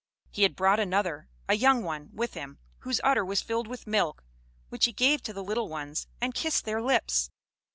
He had brought another, a young one, with him, whose udder was filled with milk, which he gave to the little ones, and kissed their lips.